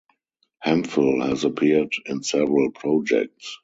Hemphill has appeared in several projects.